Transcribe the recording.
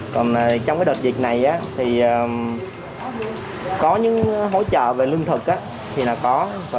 còn trong đợt dịch này thì có những hỗ trợ về lương thực thì nó có